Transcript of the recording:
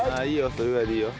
それぐらいでいいよ。